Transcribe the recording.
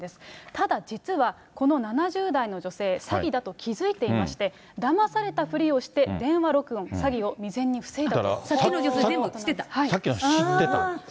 ただ、実はこの７０代の女性、詐欺だと気付いていまして、だまされたふりをして電話録音、詐欺を未然に防いだ。